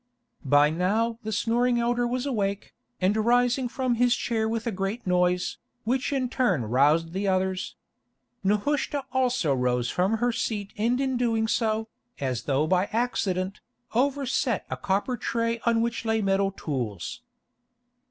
By now the snoring elder was awake, and rising from his chair with a great noise, which in turn roused the others. Nehushta also rose from her seat and in doing so, as though by accident, overset a copper tray on which lay metal tools.